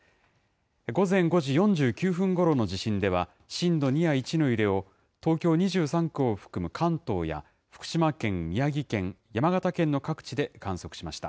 午前５時４９分ごろの地震では、震度２や１の揺れを東京２３区を含む関東や福島県、宮城県、山形県の各地で観測しました。